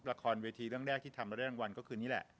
ละครเวทีเรื่องแรกที่ทำแล้วได้รางวัลก็คือนี่แหละ